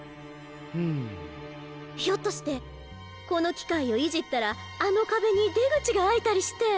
ひょっとしてこの機械をいじったらあの壁に出口が開いたりして。